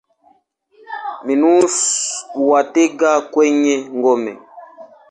Minus huwatega kwenye ngome.